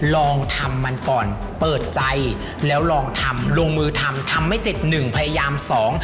ลองทำมันก่อนเปิดใจแล้วลองทำลงมือทำทำไม่เสร็จหนึ่งพยายามสอง